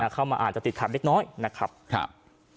เข้ามาอาจจะติดขัดเล็กน้อยนะครับ